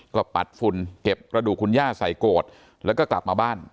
ก็ปัดฝุ่นเก็บกระดูกคุณย่าใส่โกรธแล้วก็กลับมาบ้าน